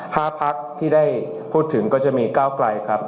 ห้าภาคที่ได้พูดถึงก็จะมีเก้ากล่าย